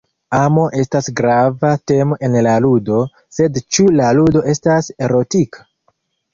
Amo estas grava temo en la ludo, sed ĉu la ludo estas erotika?